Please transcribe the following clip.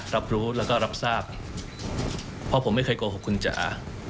รับรู้แล้วก็รับทราบเพราะผมไม่เคยโกหกคุณจ๋า